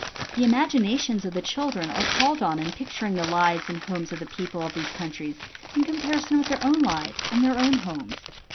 The imaginations of the children are called on in picturing the lives and homes of the people of these countries in comparison with their own lives and their own homes.